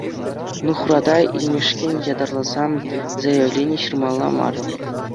Нухрата илмешкӗн ятарласа заявлени ҫырмалла мар.